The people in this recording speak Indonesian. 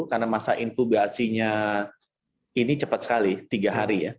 karena masa infugasinya ini cepat sekali tiga hari ya